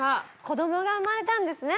こどもが生まれたんですね。